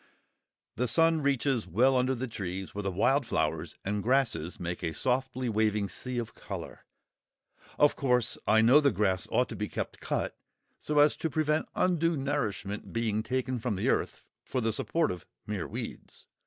The sun reaches well under the trees, where the wild flowers and grasses make a softly waving sea of colour. Of course, I know the grass ought to be kept cut, so as to prevent undue nourishment being taken from the earth for the support of "mere weeds."